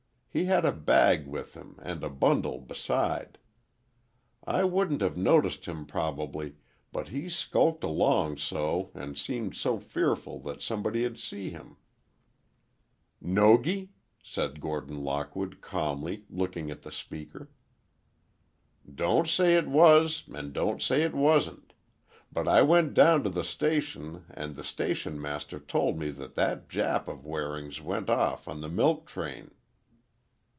He had a bag with him, and a bundle beside. I wouldn't have noticed him probably, but he skulked along so and seemed so fearful that somebody'd see him." "Nogi?" said Gordon Lockwood, calmly, looking at the speaker. "Don't say it was, and don't say it wasn't. But I went down to the station and the station master told me that that Jap of Waring's went off on the milk train."